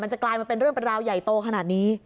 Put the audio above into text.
จะกลายมาเป็นเรื่องเป็นราวใหญ่โตขนาดนี้